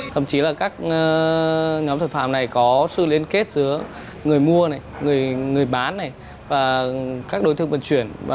thậm chí là các nhóm thực phạm này có sự liên kết giữa người mua người bán các đối thương vận chuyển